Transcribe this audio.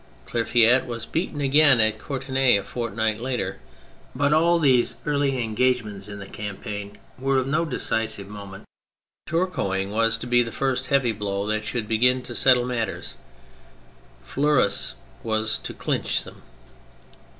Clerfayt was beaten again at Courtray a fortnight later ; but all these early engagements in the campaign were of no decisive moment. Tourcoing was to be the first heavy blow that should begin to settle matters, Fleurus was to clinch them.